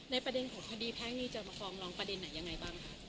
ประเด็นของคดีแพ่งนี้จะมาฟ้องร้องประเด็นไหนยังไงบ้างคะ